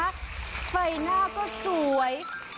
ใบหน้าก็สวย